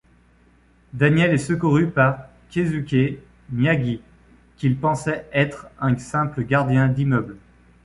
Daniel est secouru par Keisuke Miyagi, qu'il pensait être un simple gardien d'immeuble.